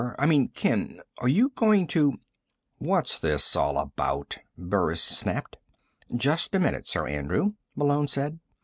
I mean Ken ... are you going to " "What's this all about?" Burris snapped. "Just a minute, Sir Andrew," Malone said.